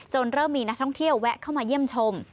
เริ่มมีนักท่องเที่ยวแวะเข้ามาเยี่ยมชม